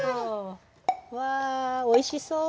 わあおいしそう。